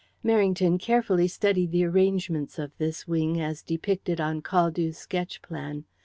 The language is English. Merrington carefully studied the arrangements of this wing, as depicted on Caldew's sketch plan.